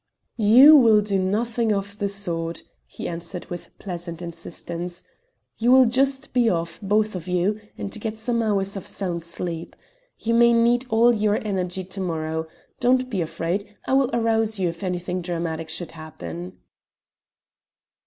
"You will do nothing of the sort," he answered with pleasant insistence. "You will just be off, both of you, and get some hours of sound sleep. You may need all your energy to morrow. Do not be afraid. I will arouse you if anything dramatic should happen."